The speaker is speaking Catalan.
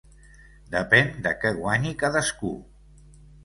Depèn de què guanyi cadascú.